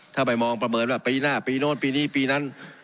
ถ้าไปมองประเมินว่าปีหน้าปีโน้นปีนี้ปีนั้น